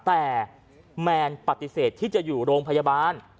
แต่แมนปฏิเสธที่จะอยู่โรงพยาบาล